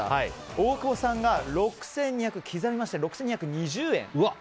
大久保さんが刻みまして６２２０円。